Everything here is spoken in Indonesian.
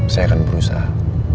saya akan berusaha